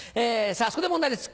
そこで問題です